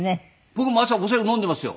僕も朝お白湯飲んでいますよ。